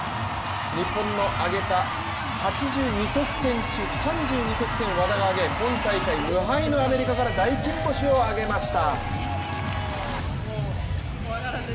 日本の挙げた８２得点中３２得点を和田が挙げ今大会無敗のアメリカから大金星をあげました。